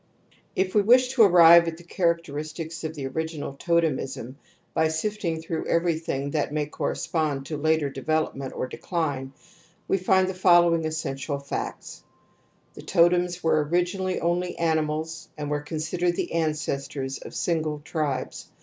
If we wish to arrive at the characteristics of the original totemism by sifting through every thing that may correspond to later development or decline, we find the following essential facts : The totems were originally only animals and\\ N * I* \. I > 178 TOTEM AND TABOO were considered the ancestors of singl e tribes.